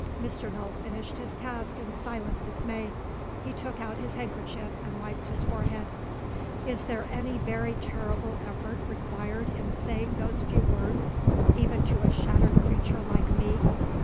Mr. Null finished his task in silent dismay. He took out his handkerchief and wiped his forehead. "Is there any very terrible effort required in saying those few words even to a shattered creature like me?"